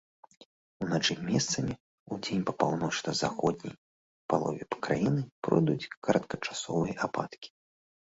Уначы месцамі, удзень па паўночна-заходняй палове краіны пройдуць кароткачасовыя ападкі.